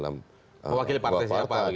mewakili partai siapa